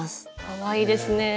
かわいいですね。